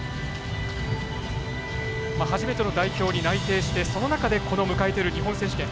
初めての代表に内定してその中で迎えている日本選手権。